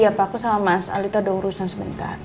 ya pak aku sama mas alito ada urusan sebentar